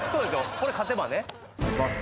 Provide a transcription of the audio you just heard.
これ勝てばねお願いします